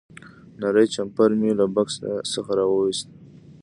نری جمپر مې له بکس نه راوویست.